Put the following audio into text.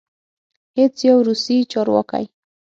هیڅ یو روسي چارواکی